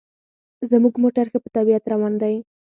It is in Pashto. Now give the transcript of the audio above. زموږ موټر ښه په طبیعت روان دی.